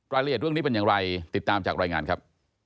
รายละเอียดเรื่องนี้เป็นอย่างไรติดตามจากรายงานครับ